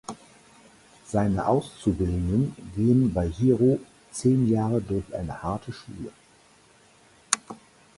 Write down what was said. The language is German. Seine Auszubildenden gehen bei Jiro zehn Jahre durch eine harte Schule.